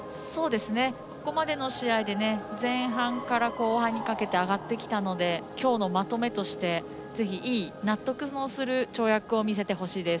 ここまでの試合で前半から後半にかけて上がってきたのできょうのまとめとしてぜひいい納得する跳躍を見せてほしいです。